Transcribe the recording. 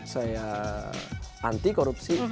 saya anti korupsi